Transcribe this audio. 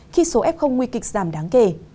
khi số f nguy kịch giảm đáng kể